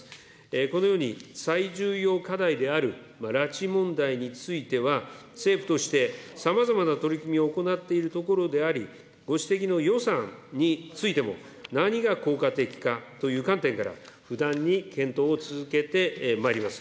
このように最重要課題である拉致問題については、政府としてさまざまな取り組みを行っているところであり、ご指摘の予算についても、何が効果的かという観点から、不断に検討を続けてまいります。